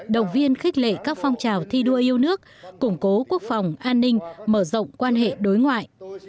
động viên khích lệ các phong trào thi đua yêu nước củng cố quốc phòng an ninh mở rộng quan hệ đối ngoại